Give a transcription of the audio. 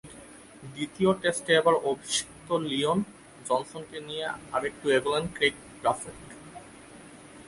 দ্বিতীয় টেস্টে এবার অভিষিক্ত লিওন জনসনকে নিয়ে আরেকটু এগোলেন ক্রেইগ ব্রাফেট।